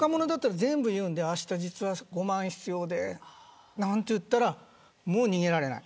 あした、実は５万必要でなんて言ったらもう逃げられない。